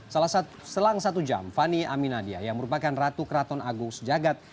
salah satu selang satu jam fani aminadia yang merupakan ratu keraton agung sejagat